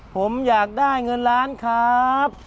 ผมอยากได้เงินล้านครับ